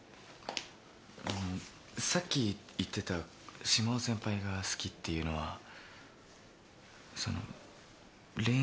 さっき言ってた島尾先輩が好きっていうのはそのう。